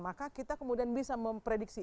maka kita kemudian bisa memprediksi